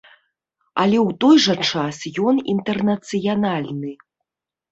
Але ў той жа час ён інтэрнацыянальны.